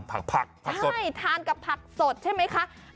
ผักผักสดใช่ทานกับผักสดใช่ไหมคะ